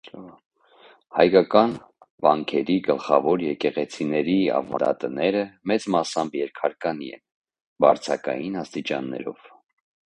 Հայկական վանքերի գլխավոր եկեղեցիների ավանդատները մեծ մասամբ երկհարկանի են, բարձակային աստիճաններով։